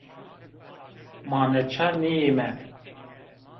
Ma neçar nîyîme